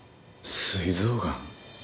すい臓がん？